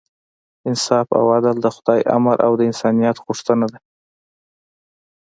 انصاف او عدل د خدای امر او د انسانیت غوښتنه ده.